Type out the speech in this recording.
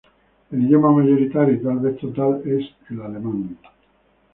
El idioma mayoritario y tal vez total es el alemán.